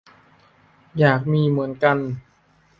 อยากมีเหมือนกัน